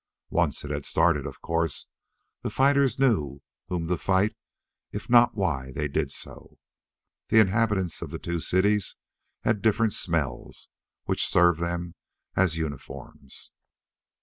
Once it had started, of course, the fighters knew whom to fight if not why they did so. The inhabitants of the two cities had different smells, which served them as uniforms.